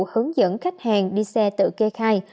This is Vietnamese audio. hướng dẫn khách hàng đi xe tự kê khai